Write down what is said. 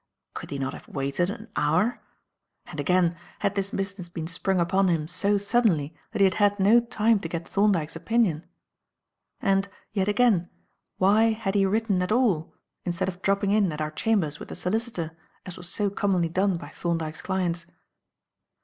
Could he not have waited an hour? And again; had this business been sprung upon him so suddenly that he had had no time to get Thorndyke's opinion? And, yet again, why had be written at all, instead of dropping in at our chambers with the solicitor, as was so commonly done by Thorndyke's clients?